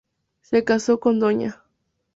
Se casó con Dña.